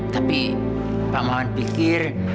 tapi pak maman pikir